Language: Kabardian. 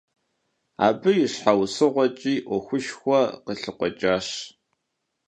Абы и щхьэусыгъуэкӀи Ӏуэхушхуэ къылъыкъуэкӀащ.